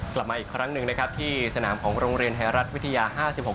กลับมาอีกครั้งหนึ่งนะครับที่สนามของโรงเรียนไทยรัฐวิทยา๕๖